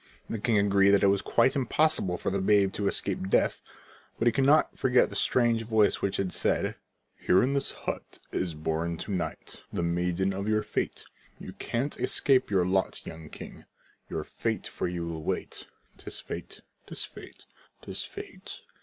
The king agreed that it was quite impossible for the babe to escape death, but he could not forget the strange voice which had said: "Here in this hut is born to night The maiden of your fate: You can't escape your lot, young king; Your fate for you will wait. 'Tis fate 'tis fate 'tis fate."